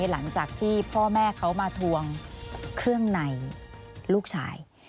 หลังจากที่พ่อแม่เขามาทวงเครื่องในลูกชาย